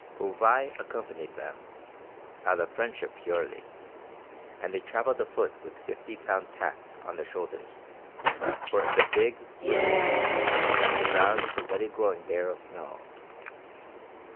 Bouvais accompanied them, out of friendship purely, and they travelled afoot with fifty pound packs on their shoulders, for in the big, sunlit reaches the ground was already growing bare of snow.